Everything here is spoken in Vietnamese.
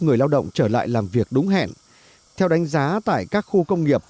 người lao động trở lại làm việc đúng hẹn theo đánh giá tại các khu công nghiệp